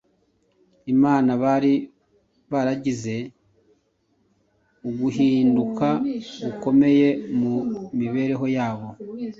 Imana bari baragize uguhinduka gukomeye mu mibereho yabo.